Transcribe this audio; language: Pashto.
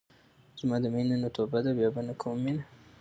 زما د مينې نه توبه ده بيا به نۀ کوم مينه